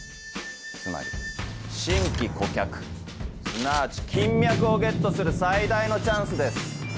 つまり新規顧客すなわち金脈をゲットする最大のチャンスです。